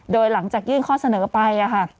โดยหลังจากยื่นข้อเสนอไป